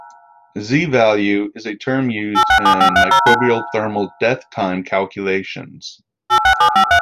Z-value is a term used in microbial thermal death time calculations.